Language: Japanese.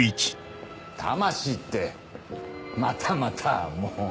魂ってまたまたもう。